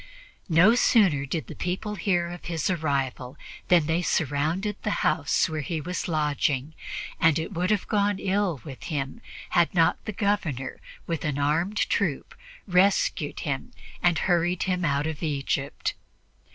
No sooner did the people hear of his arrival than they surrounded the house where he was lodging, and it would have gone ill with him had not the Governor, with an armed troop, rescued him and hurried him out of Egypt.